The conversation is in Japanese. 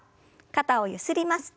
肩をゆすります。